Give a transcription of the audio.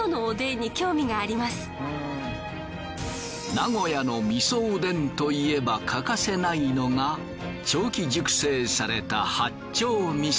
名古屋のみそおでんといえば欠かせないのが長期熟成された八丁味噌。